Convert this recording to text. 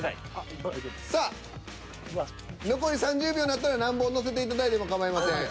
さあ残り３０秒なったら何本乗せていただいてもかまいません。